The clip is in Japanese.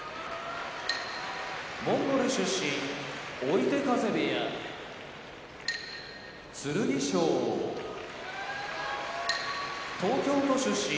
モンゴル出身追手風部屋剣翔東京都出身